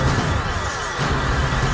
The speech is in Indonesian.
aku mau kesana